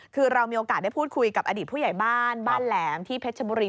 คือเรามีโอกาสได้พูดคุยกับอดีตผู้ใหญ่บ้านบ้านแหลมที่เพชรชบุรี